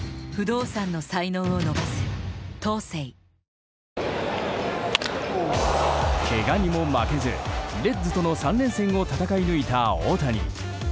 ニトリけがにも負けずレッズとの３連戦を戦い抜いた大谷。